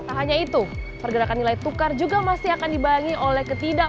tak hanya itu pergerakan nilai tukar juga masih akan dibayangi oleh ketidak